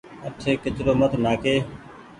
آٺي ڪچرو مت نآهآڪ۔